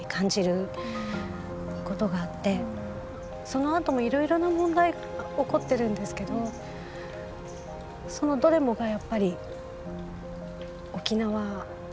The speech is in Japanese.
そのあともいろいろな問題起こってるんですけどそのどれもがやっぱり「沖縄でしょ？